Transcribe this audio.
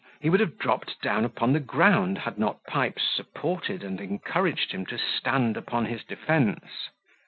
He would have dropped down upon the ground, had not Pipes supported and encouraged him to stand upon his defence.